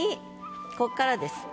こっからです。